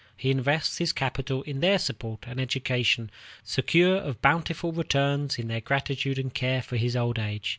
He invests his capital in their support and education, secure of bountiful returns in their gratitude and care for his old age.